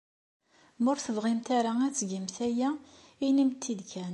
Ma ur tebɣimt ara ad tgemt aya, inimt-t-id kan.